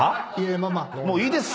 もういいです。